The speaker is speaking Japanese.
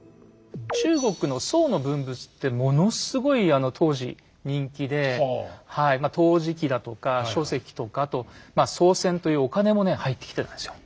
中国の宋の文物ってものすごい当時人気で陶磁器だとか書籍とかあと宋銭というお金もね入ってきてたんですよ。